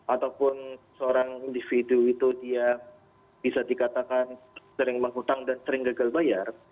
ataupun seorang individu itu dia bisa dikatakan sering menghutang dan sering gagal bayar